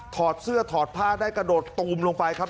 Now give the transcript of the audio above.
อดเสื้อถอดผ้าได้กระโดดตูมลงไปครับ